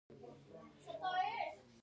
دوی سخت تمرینونه کوي.